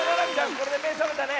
これでめさめたね。